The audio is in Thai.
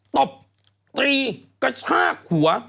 ตบตรีกระชากหัว